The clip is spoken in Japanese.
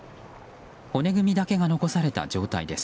骨組みだけが残された状態です。